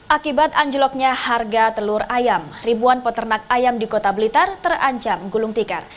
akibat anjloknya harga telur ayam ribuan peternak ayam di kota blitar terancam gulung tikar